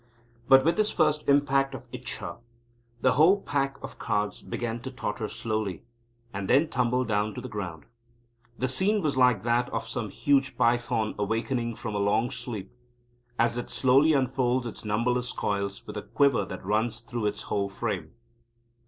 But with this first impact of Ichcha the whole pack of cards began to totter slowly, and then tumble down to the ground. The scene was like that of some huge python awaking from a long sleep, as it slowly unfolds its numberless coils with a quiver that runs through its whole frame.